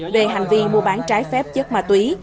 về hành vi mua bán trái phép chất ma túy